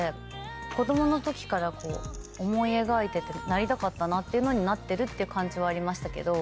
子供の時から思い描いててなりたかったなっていうのになってる感じはありましたけど。